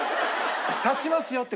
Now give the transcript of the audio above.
立ちますよって。